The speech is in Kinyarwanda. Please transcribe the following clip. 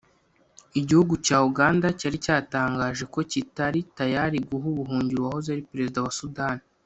Igihugu cya Uganda cyari cyatangaje ko kiri tayari guha ubuhungiro uwahoze ari perezida wa Sudan